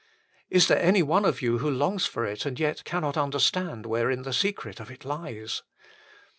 Is there any one of you who longs for it and yet cannot understand wherein the secret of it lies